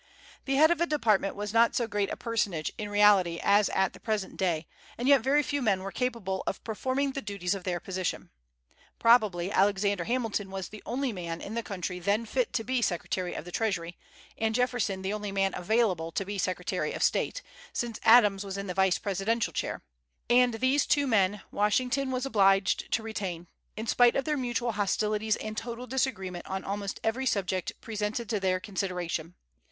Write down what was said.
The head of a department was not so great a personage, in reality, as at the present day, and yet very few men were capable of performing the duties of their position. Probably Alexander Hamilton was the only man in the country then fit to be Secretary of the Treasury, and Jefferson the only man available to be Secretary of State, since Adams was in the vice presidential chair; and these two men Washington was obliged to retain, in spite of their mutual hostilities and total disagreement on almost every subject presented to their consideration.